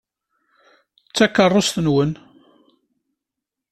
D takeṛṛust-nwent?